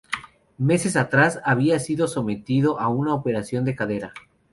Meses atrás había sido sometido a una operación de cadera.